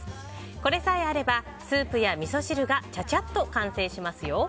これさえあればスープやみそ汁がちゃちゃっと完成しますよ。